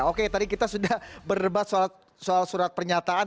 oke tadi kita sudah berdebat soal surat pernyataan